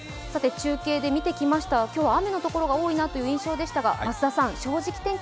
中継で見てきました、今日は雨のところが多いなという感じですが増田さん「正直天気」